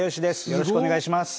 よろしくお願いします。